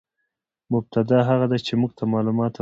مبتداء هغه ده، چي موږ ته معلومات راکوي.